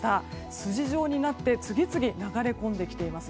筋状になって次々流れ込んできています。